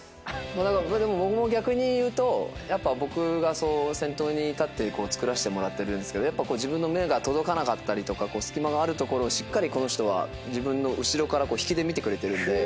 でも僕も逆に言うとやっぱ僕が先頭に立ってつくらせてもらってるんですけど自分の目が届かなかったりとか隙間がある所をしっかりこの人は自分の後ろから引きで見てくれてるので。